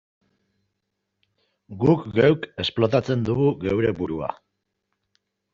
Guk geuk esplotatzen dugu geure burua.